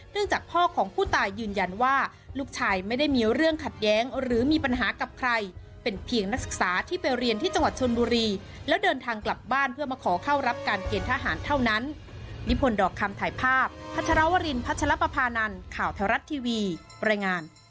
จากพ่อของผู้ตายยืนยันว่าลูกชายไม่ได้มีเรื่องขัดแย้งหรือมีปัญหากับใครเป็นเพียงนักศึกษาที่ไปเรียนที่จังหวัดชนบุรีแล้วเดินทางกลับบ้านเพื่อมาขอเข้ารับการเกณฑหารเท่านั้นนิพนธอกคำถ่ายภาพ